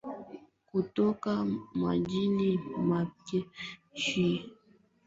mabaharia walikuwa wanatuma jumbe kutoka majini mpaka nchi kavu